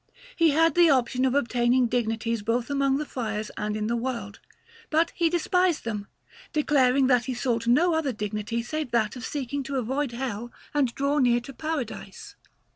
He had the option of obtaining dignities both among the friars and in the world, but he despised them, declaring that he sought no other dignity save that of seeking to avoid Hell and draw near to Paradise.